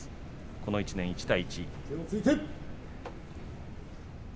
この１年、１対１。